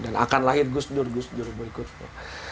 dan akan lahir gus dur gus dur berikutnya